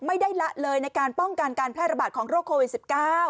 ละเลยในการป้องกันการแพร่ระบาดของโรคโควิด๑๙